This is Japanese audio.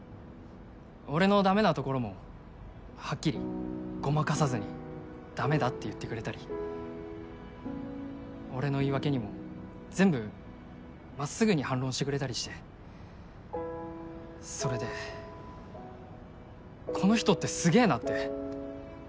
俺のダメなところもはっきりごまかさずに「ダメだ」って言ってくれたり俺の言い訳にも全部まっすぐに反論してくれたりしてそれでこの人ってすげぇなって。